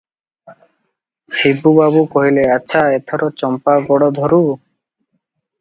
ଶିବୁ ବାବୁ କହିଲେ, "ଆଚ୍ଛା, ଏଥର ଚମ୍ପା ଗୋଡ଼ ଧରୁ ।"